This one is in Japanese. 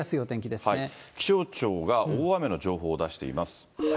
気象庁が大雨の情報を出しています。